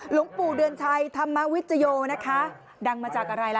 หลวงปู่เดือนชัยธรรมวิจโยนะคะดังมาจากอะไรล่ะ